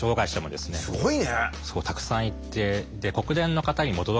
すごいね。